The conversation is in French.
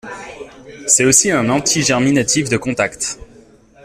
C'est aussi un antigerminatif de contact.